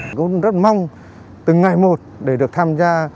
tôi rất mong từng ngày một để được tham gia